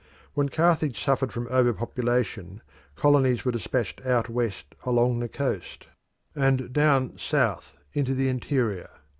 When Carthage suffered from over population, colonies were dispatched out west along the coast, and down south into the interior.